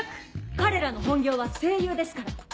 彼らの本業は声優ですから。